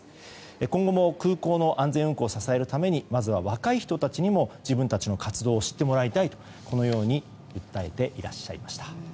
今後も空港の安全運航を支えるためにまずは若い人たちにも自分たちの活動を知ってもらいたいとこのように訴えていらっしゃいました。